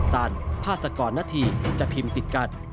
ตันพาสกรณฐีจะพิมพ์ติดกัน